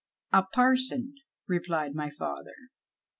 " A parson," replied my father.